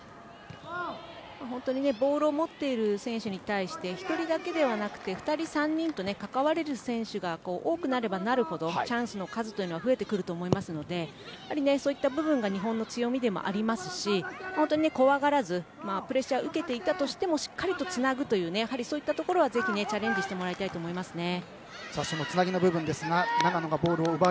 ボールを持っている選手に対して１人だけではなく２人、３人と関われる選手が多くなればなるほどチャンスの数は増えてくると思いますのでそういった部分が日本の強みでもありますし怖がらずにプレッシャーを受けていてもしっかりとつなぐというそういったところは、ぜひチャレンジしてもらいたいですね。